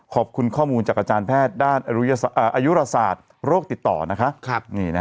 ขอบคุณข้อมูลจากอาจารย์แพทย์ด้านอายุราศาสตร์โรคติดต่อนะคะ